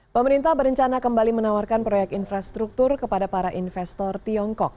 pemerintah berencana kembali menawarkan proyek infrastruktur kepada para investor tiongkok